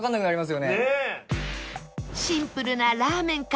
シンプルならーめんか？